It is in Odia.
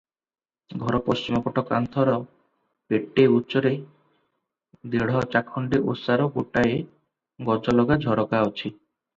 ଘର ପଶ୍ଚିମ ପଟ କାନ୍ଥର ପେଟେ ଉଞ୍ଚରେ ଦେଢ଼ ଚାଖଣ୍ତେ ଓସାର ଗୋଟାଏ ଗଜଲଗା ଝରକା ଲାଗିଅଛି ।